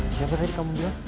siapa tadi kamu bilang